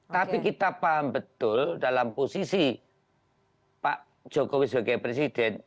tapi kita paham betul dalam posisi pak jokowi sebagai presiden